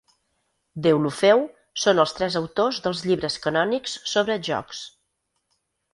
Deulofeu—, són els tres autors dels llibres canònics sobre jocs.